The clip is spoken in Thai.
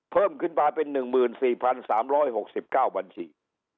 เพิ่มขึ้นมาเป็น๑๔๓๖๙บัญชี